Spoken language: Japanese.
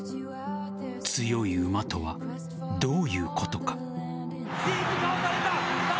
強い馬とはどういうことか。